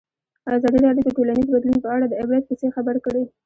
ازادي راډیو د ټولنیز بدلون په اړه د عبرت کیسې خبر کړي.